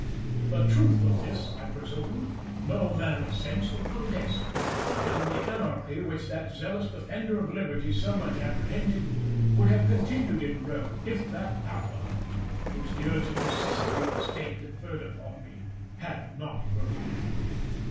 The truth of this, I presume, no man of sense will contest; and the anarchy, which that zealous defender of liberty so much apprehended, would have continued in Rome, if that power, which the urgent necessity of the State conferred upon me, had not removed it.